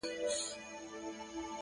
خو يو ځل بيا وسجدې ته ټيټ سو!